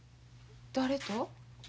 誰と？